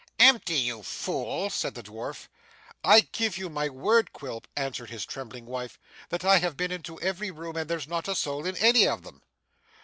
'Empty, you fool!' said the dwarf. 'I give you my word, Quilp,' answered his trembling wife, 'that I have been into every room and there's not a soul in any of them.